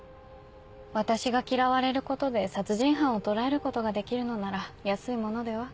私が嫌われることで殺人犯を捕らえることができるのなら安いものでは？